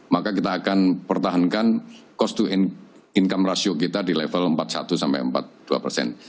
maka kita akan pertahankan cost to income rasio kita di level empat puluh satu sampai empat puluh dua persen